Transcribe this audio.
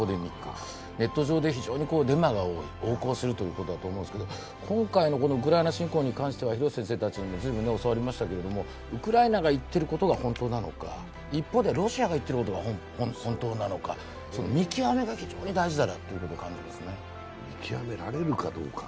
ネット上で非常にデマが多い、横行するということですけど、今回のウクライナ侵攻に関しては、廣瀬先生たちにも随分教わりましたけれども、ウクライナが言っていることが本当なのか、一方ではロシアが言っていることが本当なのか、見極めが非常に大事だなということを感じますね。